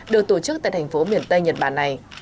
được tổ chức tại thành phố miền tây nhật bản này